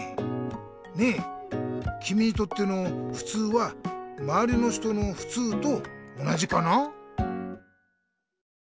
ねえきみにとってのふつうはまわりの人のふつうと同じかな？